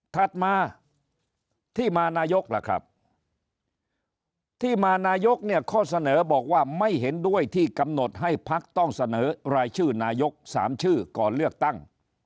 ถัดมาที่มานายกล่ะครับที่มานายกเนี่ยข้อเสนอบอกว่าไม่เห็นด้วยที่กำหนดให้พักต้องเสนอรายชื่อนายก๓ชื่อก่อนเลือกตั้ง